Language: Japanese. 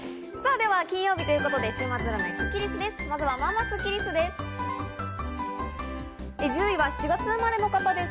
金曜日ということで週末占いスッキりすの時間です。